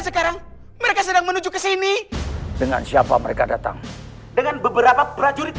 sekarang mereka sedang menuju ke sini dengan siapa mereka datang dengan beberapa prajurit